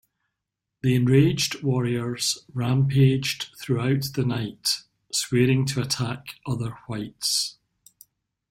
The enraged warriors rampaged throughout the night, swearing to attack other whites.